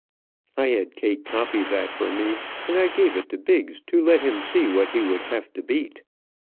I had Kate copy that for me, and I gave it to Biggs to let him see what he would have to beat.